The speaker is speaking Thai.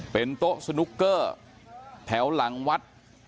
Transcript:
เป็นโต๊ะสนุกเกอร์แถวหลังวัด